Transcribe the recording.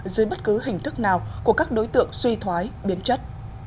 dưới bất cứ hình thức nào của các đối tượng suy thoái biến chất